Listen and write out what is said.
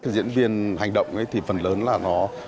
diễn viên hành động thì phần lớn là nó